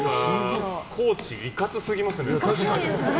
コーチ、いかつすぎますね。